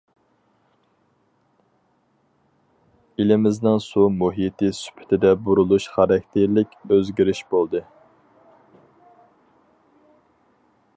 ئېلىمىزنىڭ سۇ مۇھىتى سۈپىتىدە بۇرۇلۇش خاراكتېرلىك ئۆزگىرىش بولدى.